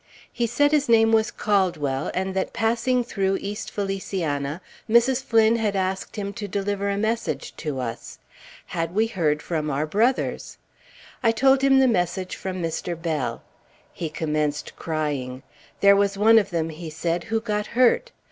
He said his name was Caldwell, and that passing through East Feliciana, Mrs. Flynn had asked him to deliver a message to us. Had we heard from our brothers? I told him the message from Mr. Bell. He commenced crying. There was one of them, he said, who got hurt.